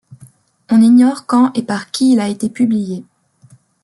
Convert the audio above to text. On ignore quand et par qui il a été publié.